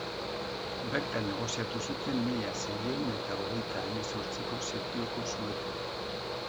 Bertan negoziatu zuten mila seiehun eta hogeita hemezortziko setioko suetena.